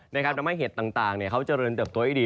ได้ครับทำให้เห็ดต่างเขาเจริญเติบตัวให้ดี